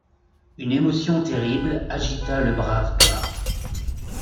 Une émotion terrible agita le brave gars.